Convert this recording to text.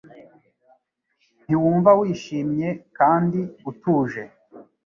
Ntiwumva wishimye kandi utuje